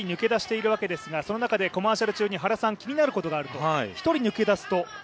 一人抜け出しているわけですが、コマーシャル中に原さん、気になることがあると。